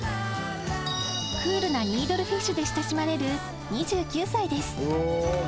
クールなニードルフィッシュで親しまれる２９歳です。